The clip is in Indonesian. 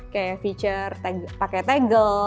kayak fitur pakai tegel